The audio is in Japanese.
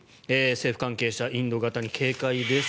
政府関係者インド型に警戒です。